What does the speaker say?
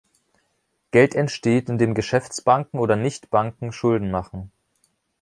Geld entsteht, indem Geschäftsbanken oder Nichtbanken Schulden machen.